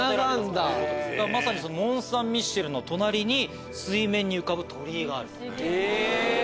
まさにモン・サン＝ミシェルの隣に水面に浮かぶ鳥居がある。